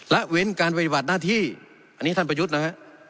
ละเว้นการปฏิบัติหน้าที่อันนี้ท่านประยุทธ์นะฮะ